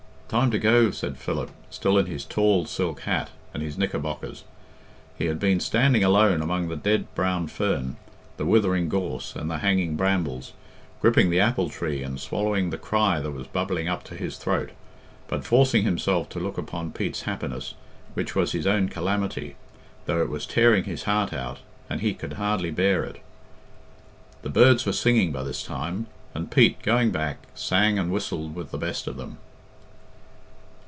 "Time to go," said Philip, still in his tall silk hat and his knickerbockers. He had been standing alone among the dead brown fern, the withering gorse, and the hanging brambles, gripping the apple tree and swallowing the cry that was bubbling up to his throat, but forcing himself to look upon Pete's happiness, which was his own calamity, though it was tearing his heart out, and he could hardly bear it. The birds were singing by this time, and Pete, going back, sang and whistled with the best of them.